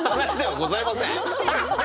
ございません？